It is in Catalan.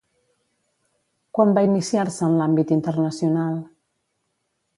Quan va iniciar-se en l'àmbit internacional?